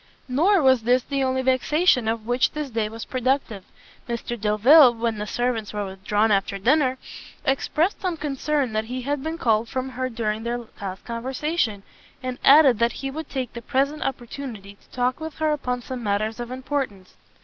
Nor was this the only vexation of which this day was productive; Mr Delvile, when the servants were withdrawn after dinner, expressed some concern that he had been called from her during their last conversation, and added that he would take the present opportunity to talk with her upon some matters of importance.